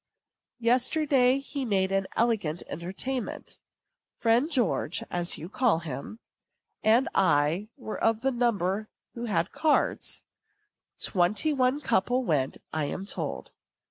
Yesterday he made an elegant entertainment. Friend George (as you call him) and I were of the number who had cards. Twenty one couple went, I am told.